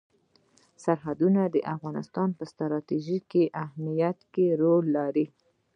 سرحدونه د افغانستان په ستراتیژیک اهمیت کې رول لري.